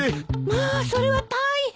まあそれは大変！